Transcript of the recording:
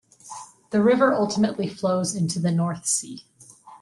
The river ultimately flows into the North Sea.